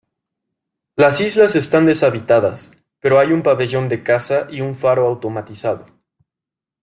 Las islas están deshabitadas, pero hay un pabellón de caza y un faro automatizado.